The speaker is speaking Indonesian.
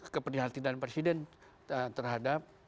kepenyatian presiden terhadap